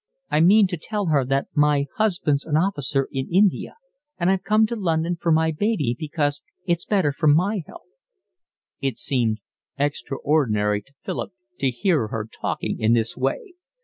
I mean to tell her that my husband's an officer in India and I've come to London for my baby, because it's better for my health." It seemed extraordinary to Philip to hear her talking in this way.